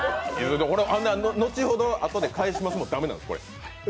後ほどあとで返しますも駄目なんです。